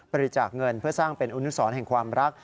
บริจาคเงินเพื่อสร้างเป็นอนุสรแห่งความรัก